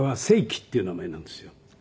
揮っていう名前なんですよ。